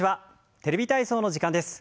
「テレビ体操」の時間です。